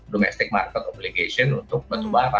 domestic market obligation untuk batu bara